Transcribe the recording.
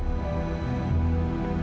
aku tidak boleh stres lagi